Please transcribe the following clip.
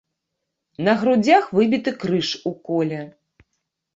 На грудзях выбіты крыж у коле.